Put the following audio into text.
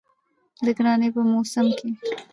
د ګرانۍ په موسم کې